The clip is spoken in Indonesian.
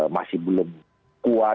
masih belum kuat